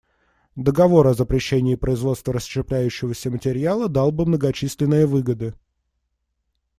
Договор о запрещении производства расщепляющегося материала дал бы многочисленные выгоды.